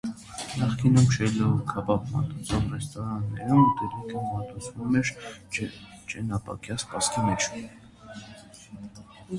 Նախկինում չելոու քաբաբ մատուցող ռեստորաններում ուտելիքը մատուցվում էր ճենապակյա սպասքի մեջ։